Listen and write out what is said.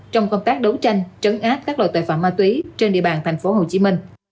trong công tác đấu tranh trấn áp các loại tội phạm ma túy trên địa bàn tp hcm